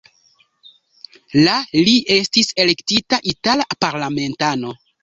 La li estis elektita itala parlamentano.